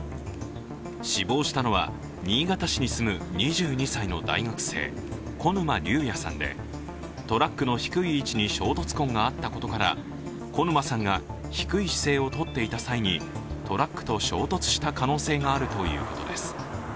死亡したのは新潟市に住む２２歳の大学生小沼龍弥さんでトラックの低い位置に衝突痕があったことから小沼さんが、低い姿勢を取っていた際にトラックと衝突した可能性があるということです。